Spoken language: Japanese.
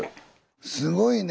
すごいね。